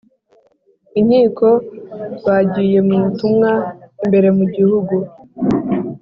Inkiko bagiye mu butumwa imbere mu Gihugu